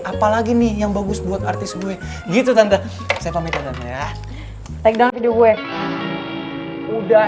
apalagi nih yang bagus buat artis gue gitu tante saya pamitkan tante ya takut video gue udah